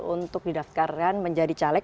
untuk didaftarkan menjadi caleg